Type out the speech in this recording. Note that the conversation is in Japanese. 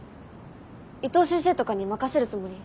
伊藤先生とかに任せるつもり？